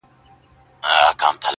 ورښكاره چي سي دښمن زړه يې لړزېږي.!